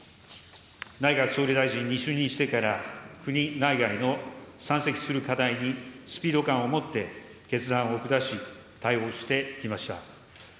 内閣総理大臣に就任してから、国内外の山積する課題にスピード感を持って決断を下し、対応してきました。